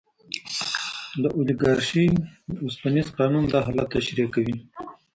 د اولیګارشۍ اوسپنیز قانون دا حالت تشریح کوي.